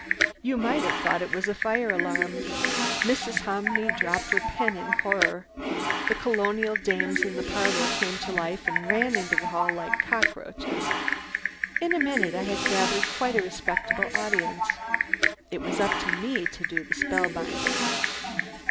You might have thought it was a fire alarm. Mrs. Hominy dropped her pen in horror. The colonial dames in the parlour came to life and ran into the hall like cockroaches. In a minute I had gathered quite a respectable audience. It was up to me to do the spellbinding.